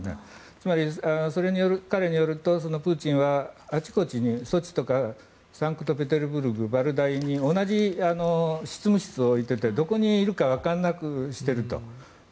つまり、彼によるとプーチンはあちこちにソチとかサンクトペテルブルクバルダイに同じ執務室を置いていてどこにいるかわからなくしていると。